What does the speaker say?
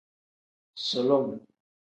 Sulum.